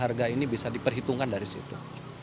harga harga ini bisa diperhitungkan dari situ